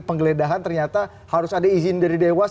penggeledahan ternyata harus ada izin dari dewas